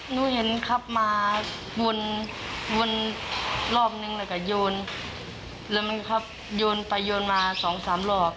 หนูเห็นขับมาวนวนรอบนึงแล้วก็โยนแล้วมันก็ขับโยนไปโยนมาสองสามรอบ